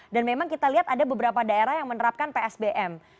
dan memang kita lihat ada beberapa daerah yang menerapkan psbm